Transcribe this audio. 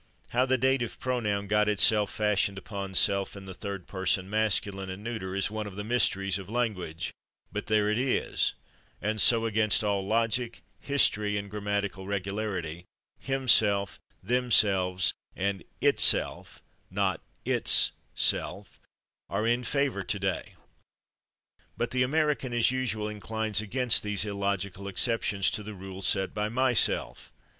How the dative pronoun got itself [Pg225] fastened upon /self/ in the third person masculine and neuter is one of the mysteries of language, but there it is, and so, against all logic, history and grammatical regularity, /himself/, /themselves/ and /itself/ (not /its self/) are in favor today. But the American, as usual, inclines against these illogical exceptions to the rule set by /myself